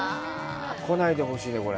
来ないでほしいね、これ。